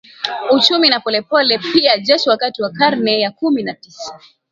uchumi na polepole pia jeshi Wakati wa karne ya kumi na tisa